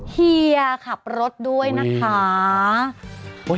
เฮียขับรถด้วยนะคะ